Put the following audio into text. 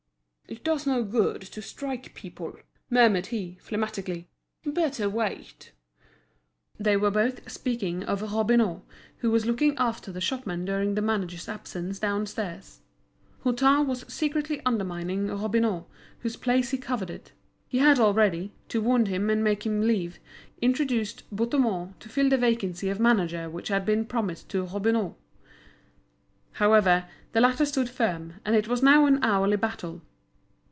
"It does no good to strike people," murmured he, phlegmatically; "better wait." They were both speaking of Robineau, who was looking after the shopmen during the manager's absence downstairs. Hutin was secretly undermining Robineau, whose place he coveted. He had already, to wound him and make him leave, introduced Bouthemont to fill the vacancy of manager which had been promised to Robineau. However, the latter stood firm, and it was now an hourly battle.